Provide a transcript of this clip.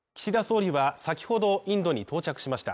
岸田総理は先ほど、インドに到着しました。